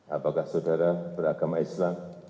apakah saudara beragama islam